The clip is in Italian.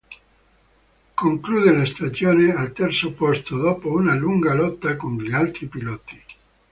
Conclude la stagione al terzo posto, dopo una lunga lotta con gli altri piloti.